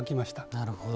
なるほど。